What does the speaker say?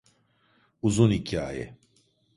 Uzun hikâye.